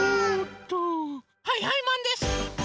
はいはいマンです！